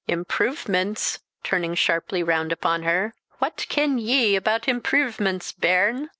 "Impruvements!" turning sharply round upon her; "what ken ye about impruvements, bairn?